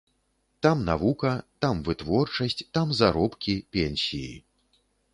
Там навука, там вытворчасць, там заробкі, пенсіі.